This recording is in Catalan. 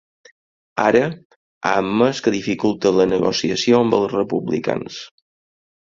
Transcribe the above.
Ara, ha admès que dificulta la negociació amb els republicans.